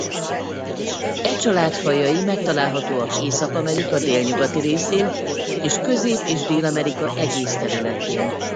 E család fajai megtalálhatók Észak-Amerika délnyugati részén és Közép- és Dél-Amerika egész területén.